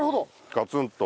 ガツンと。